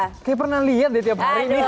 kayaknya pernah liat deh tiap hari nih